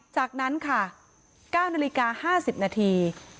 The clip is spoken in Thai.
จากนั้นค่ะ๙นาฬิกา๕๐นาที